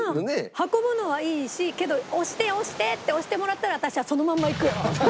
運ぶのはいいしけど「押して！押して！」って押してもらったら私はそのまま行くよ。